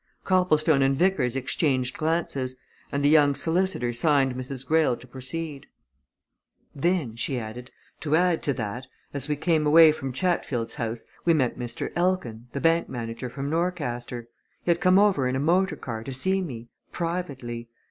Copplestone and Vickers exchanged glances, and the young solicitor signed Mrs. Greyle to proceed. "Then," she added, "to add to that, as we came away from Chatfield's house, we met Mr. Elkin, the bank manager from Norcaster. He had come over in a motor car, to see me privately.